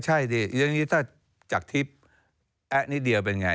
ใช่ดิอย่างนี้ถ้าจากทิพย์แอ๊ะนิดเดียวเป็นไง